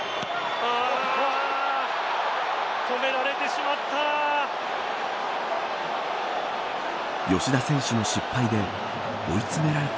止められてしまった。